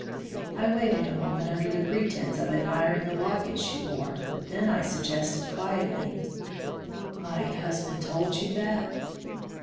I waited a moment under the pretense of admiring a locket she wore, then I suggested, quietly: "My husband told you that?"